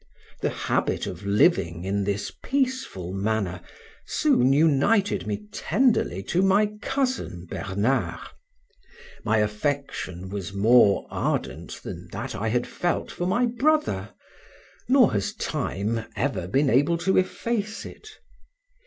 The habit of living in this peaceful manner soon united me tenderly to my cousin Bernard; my affection was more ardent than that I had felt for my brother, nor has time ever been able to efface it.